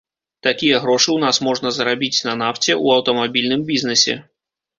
Такія грошы ў нас можна зарабіць на нафце, у аўтамабільным бізнэсе.